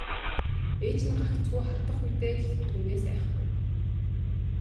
Ээж нь гагцхүү хардах үедээ л түүнээс айхгүй.